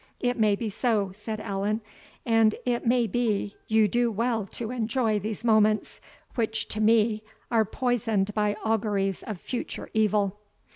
"It may be so," said Allan; "and, it may be, you do well to enjoy these moments, which to me are poisoned by auguries of future evil.